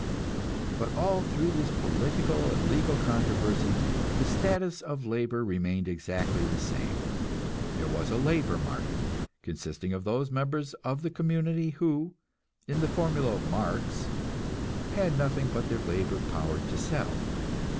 But all through this political and legal controversy the status of labor remained exactly the same; there was a "labor market," consisting of those members of the community who, in the formula of Marx, had nothing but their labor power to sell.